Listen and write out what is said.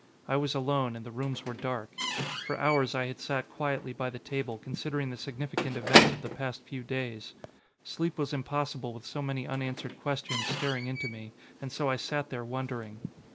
I was alone, and the rooms were dark. For hours I had sat quietly by the table, considering the significant events of the past few days. Sleep was impossible with so many unanswered questions staring into me, and so I sat there wondering.